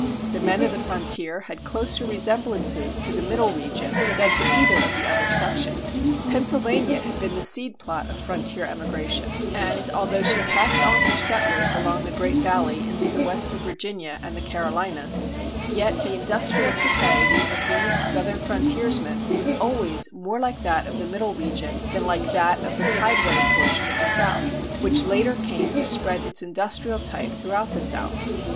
The men of the frontier had closer resemblances to the Middle region than to either of the other sections. Pennsylvania had been the seed plot of frontier emigration, and, although she passed on her settlers along the Great Valley into the west of Virginia and the Carolinas, yet the industrial society of these Southern frontiersmen was always more like that of the Middle region than like that of the tide water portion of the South, which later came to spread its industrial type throughout the South.